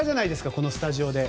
このスタジオで。